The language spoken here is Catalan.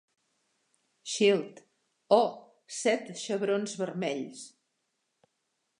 Shield: "O, set xebrons vermells".